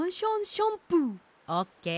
オッケー。